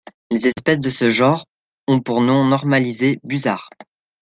Les espèces de ce genre ont pour nom normalisé busard.